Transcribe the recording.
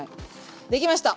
できました。